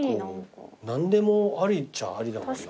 何でもありっちゃありだもんな。